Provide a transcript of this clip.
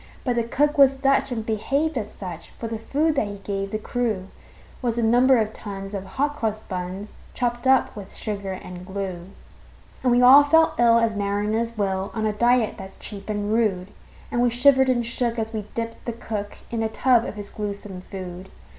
But the cook was Dutch, and behaved as such; For the food that he gave the crew Was a number of tons of hot cross buns, Chopped up with sugar and glue. And we all felt ill as mariners will, On a diet that's cheap and rude; And we shivered and shook as we dipped the cook In a tub of his gluesome food.